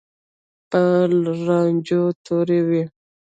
په رانجو تورې وې.